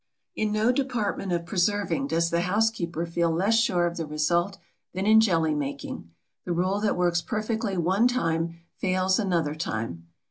In no department of preserving does the housekeeper feel less sure of the result than in jelly making. The rule that works perfectly one time fails another time.